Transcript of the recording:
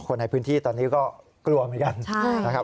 คนในพื้นที่ตอนนี้ก็กลัวเหมือนกันนะครับ